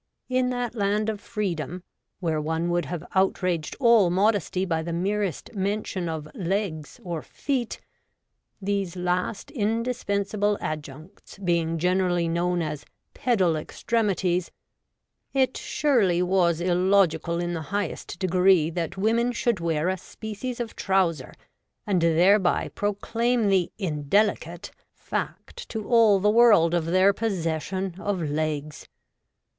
In that Land of Freedom, where one would have outraged all modesty by the merest mention of legs or feet — these last indispensable adjuncts being generally known as 'pedal extremities' — it surely was illogical in the highest degree that women shculd wear a species of trouser, and thereby proclaim the in delicate (!) fact to all the world of their possession of legs.